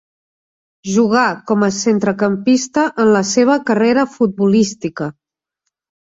Jugà com a centrecampista en la seva carrera futbolística.